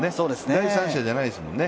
第三者じゃないですもんね。